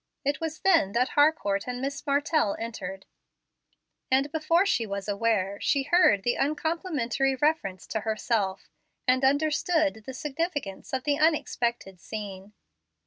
It was then that Harcourt and Miss Martell entered, and before she was aware she heard the uncomplimentary reference to herself, and understood the significance of the unexpected scene.